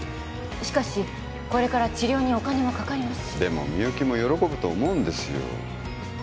しかしこれから治療にお金もかかりますしでもみゆきも喜ぶと思うんですよ